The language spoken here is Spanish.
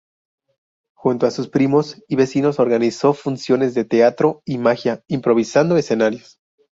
Junto a sus primos y vecinos organizó funciones de teatro y magia, improvisando escenarios.